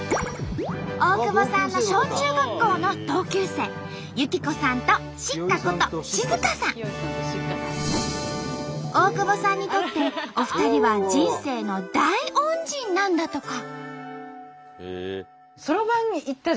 大久保さんの小中学校の同級生大久保さんにとってお二人は人生の大恩人なんだとか。